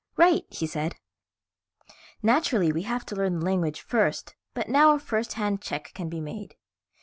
"Right," he said. "Naturally we had to learn the language first, but now a first hand check can be made.